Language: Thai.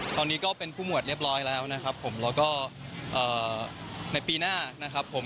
ตอนนี้ก็เป็นผู้หมวดเรียบร้อยแล้วนะครับผมแล้วก็ในปีหน้านะครับผม